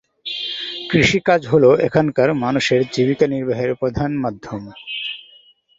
কৃষিকাজ হল এখানকার মানুষের জীবিকা নির্বাহের প্রধান মাধ্যম।